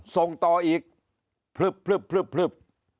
ส่งต่ออีกพลึบพลึบพลึบพลึบ